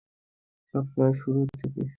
সব সময়, শুরু থেকে।